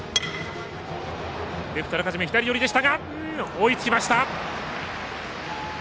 追いつきました。